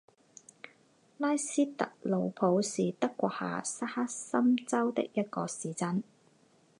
拉斯特鲁普是德国下萨克森州的一个市镇。